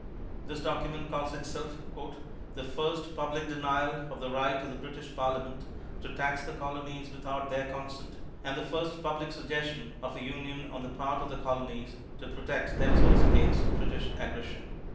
This document calls itself, "The First Public Denial of the Right of the British Parliament to tax the Colonies without their Consent, and the first Public Suggestion of a Union on the part of the Colonies to Protect themselves against British Aggression."